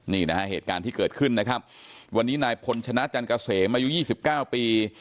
นี่นะฮะเหตุการณ์ที่เกิดขึ้นนะครับวันนี้นายพลชนะจันเกษมอายุ๒๙ปี